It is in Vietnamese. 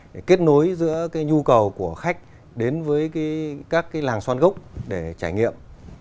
để kết nối giữa nhu cầu của khách đến với các làng xoan gốc để trải nghiệm